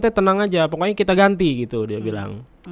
saya tenang aja pokoknya kita ganti gitu dia bilang